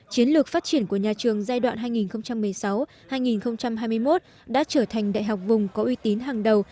chiến lược phát triển của nhà trường giai đoạn hai nghìn một mươi sáu hai nghìn hai mươi một đã trở thành đại học vùng có uy tín hàng đầu